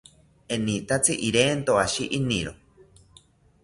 Enitatzi irento ashi iniro